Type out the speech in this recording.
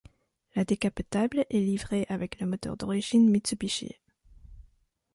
La décapotable est livrée avec le moteur d'origine Mitsubishi.